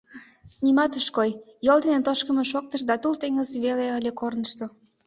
Нимат ыш кой, йол дене тошкымо шоктыш да тул теҥыз веле ыле корнышто.